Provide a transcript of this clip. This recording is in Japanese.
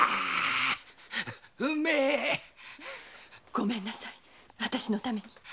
ごめんなさい私のために。